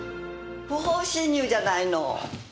不法侵入じゃないの。